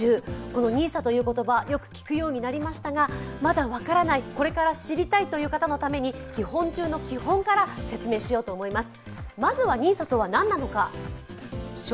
このＮＩＳＡという言葉よく聞くようになりましたがまだ分からない、これから知りたいという方のために基本中の基本から説明しようと思います。